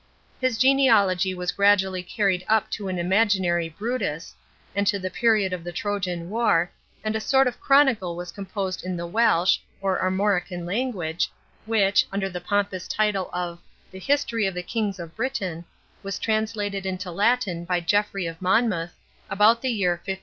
His genealogy was gradually carried up to an imaginary Brutus, and to the period of the Trojan war, and a sort of chronicle was composed in the Welsh, or Armorican language, which, under the pompous title of the "History of the Kings of Britain," was translated into Latin by Geoffrey of Monmouth, about the year 1150.